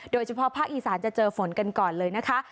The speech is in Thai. โดยเฉพาะภาคอีสานจะเจอฝนกันก่อนเลยนะคะ